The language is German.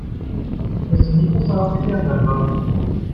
Ich wüsste nicht, was daran verkehrt sein soll.